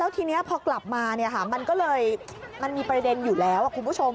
ทีนี้พอกลับมามันก็เลยมันมีประเด็นอยู่แล้วคุณผู้ชม